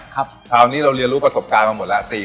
คราวนี้เราเรียนรู้ประสบการณ์มาหมดแล้ว